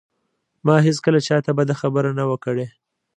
ما هېڅکله چاته بده خبره نه وه کړې